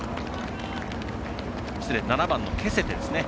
失礼、７番のケセテですね。